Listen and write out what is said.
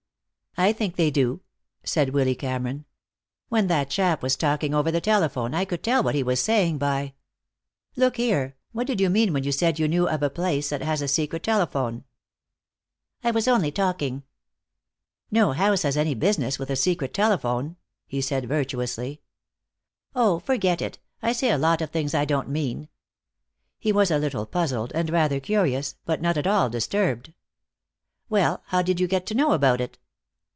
"I think they do," said Willy Cameron. "When that chap was talking over the telephone I could tell what he was saying by Look here, what did you mean when you said you knew of a place that has a secret telephone?" "I was only talking." "No house has any business with a secret telephone," he said virtuously. "Oh, forget it. I say a lot of things I don't mean." He was a little puzzled and rather curious, but not at all disturbed. "Well, how did you get to know about it?"